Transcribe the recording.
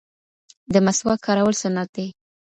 د مسواک کارول سنت دی